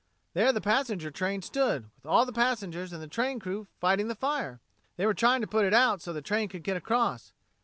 There the passenger train stood, with all the passengers and the train crew fighting the fire. They were trying to put it out so the train could get across.